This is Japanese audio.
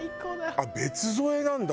あっ別添えなんだ？